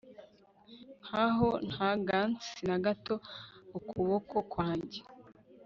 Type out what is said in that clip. Nkaho nta gants na gato ukuboko kwanjye